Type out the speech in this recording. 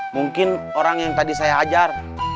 mungkin orang yang tadi saya hajar